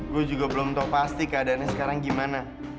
gue juga belum tahu pasti keadaannya sekarang gimana